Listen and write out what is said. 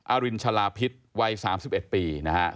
อารินชะลาพิษวัย๓๑ปีนะครับ